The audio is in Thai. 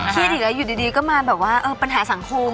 เทียดอยู่ดีก็มาแบบว่าปัญหาสังคม